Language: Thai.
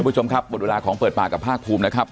คุณผู้ชมครับหมดเวลาของเปิดปากกับภาคภูมินะครับ